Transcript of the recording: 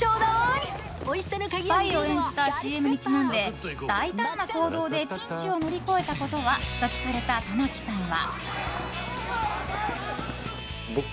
スパイを演じたＣＭにちなんで大胆な行動でピンチを乗り越えたことは？と聞かれた玉木さんは。